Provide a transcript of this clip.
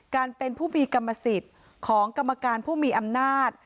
การเป็นผู้มีกรรมสิทธิ์ของกรรมการผู้มีอำนาจ